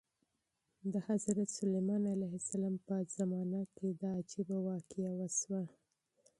د حضرت سلیمان علیه السلام په زمانه کې دا عجیبه واقعه وشوه.